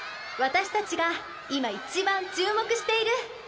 私たちが今一番注目している。